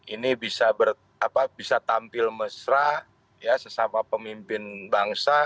ini bisa tampil mesra sesama pemimpin bangsa